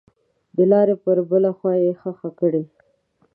دلارې پر بله خوا یې ښخه کړئ.